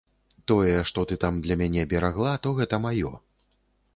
Тое, што ты там для мяне берагла, то гэта маё.